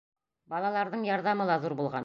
Балаларҙың ярҙамы ла ҙур булған.